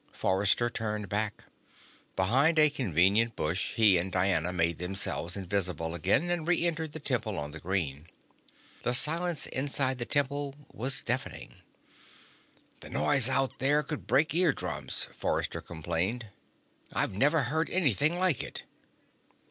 Forrester turned back. Behind a convenient bush, he and Diana made themselves invisible again, and re entered the Temple on the Green. The silence inside the Temple was deafening. "The noise out there could break eardrums," Forrester complained. "I've never heard anything like it."